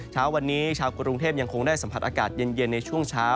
เช้าวันนี้ชาวกรุงเทพยังคงได้สัมผัสอากาศเย็นในช่วงเช้า